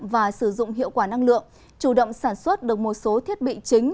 và sử dụng hiệu quả năng lượng chủ động sản xuất được một số thiết bị chính